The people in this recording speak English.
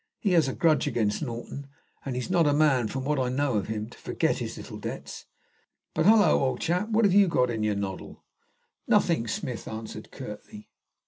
He had a grudge against Norton, and he's not a man, from what I know of him, to forget his little debts. But hallo, old chap, what have you got in your noddle?" "Nothing," Smith answered curtly.